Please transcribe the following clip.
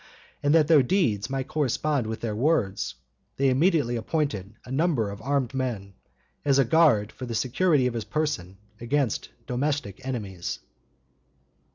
And that their deeds might correspond with their words, they immediately appointed a number of armed men, as a guard for the security of his person against domestic enemies.